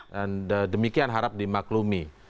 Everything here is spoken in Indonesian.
dan demikian harap dimaklumi